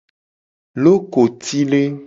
Lokotide.